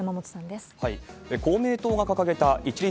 公明党が掲げた一律